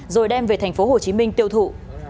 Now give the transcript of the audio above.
rồi đem về tp hcm tiêu thụ